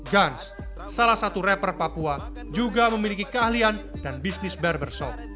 guns salah satu rapper papua juga memiliki keahlian dan bisnis barbershop